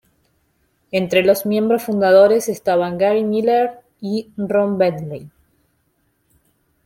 Entre los miembros fundadores estaban Gary Miller y Ron Bentley.